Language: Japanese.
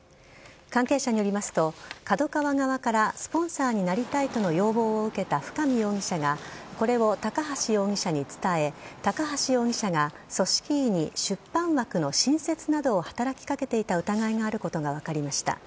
関係者によりますとＫＡＤＯＫＡＷＡ側からスポンサーになりたいとの要望を受けた深見容疑者がこれを高橋容疑者に伝え高橋容疑者が組織委に出版枠の新設などを働きかけていた疑いがあることが分かりました。